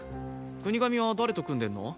國神は誰と組んでんの？